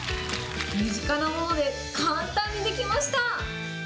身近なもので簡単に出来ました。